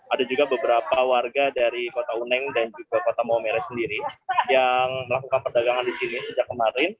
ada juga beberapa warga dari kota uneng dan juga kota maumere sendiri yang melakukan perdagangan di sini sejak kemarin